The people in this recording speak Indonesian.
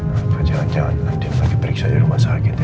apa jangan jangan andin lagi periksa di rumah sakit ya